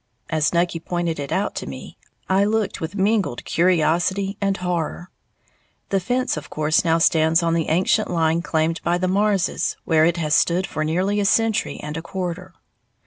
As Nucky pointed it out to me, I looked with mingled curiosity and horror. The fence of course now stands on the ancient line claimed by the Marrses, where it has stood for nearly a century and a quarter.